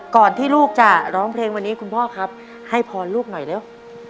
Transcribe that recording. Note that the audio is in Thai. ที่ลูกจะร้องเพลงวันนี้คุณพ่อครับให้พรลูกหน่อยเร็ว